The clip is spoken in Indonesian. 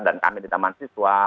dan kami di taman siswa